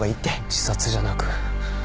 自殺じゃなく。